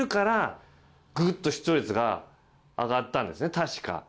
確か。